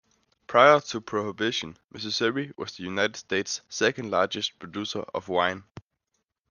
Prior to Prohibition, Missouri was the United States' second largest producer of wine.